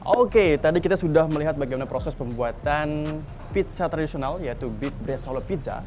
oke tadi kita sudah melihat bagaimana proses pembuatan pizza tradisional yaitu beef brea solo pizza